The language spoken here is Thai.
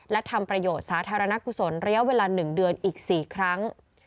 และทำประโยชน์สาธารณกุศลระยะเวลา๑เดือนอีก๔ครั้ง